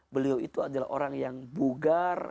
beliau itu adalah orang yang bugar